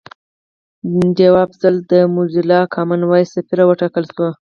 ډیوه افضل د موزیلا کامن وایس سفیره وټاکل شوه